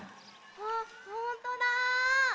あっほんとだ！